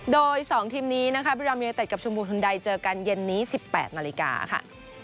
โดย๒ทีมนี้นะคะพี่รามยังเต็ดกับชุนบุตรคุณใดเจอกันเย็นนี้๑๘นาฬิกาค่ะ